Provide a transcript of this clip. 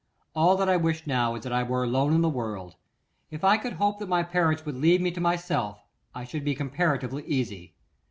All that I wish now is that I were alone in the world. If I could hope that my parents would leave me to myself, I should be comparatively easy.